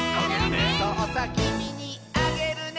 「そうさきみにあげるね」